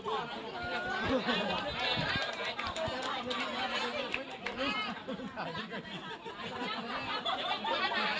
อะไรกับ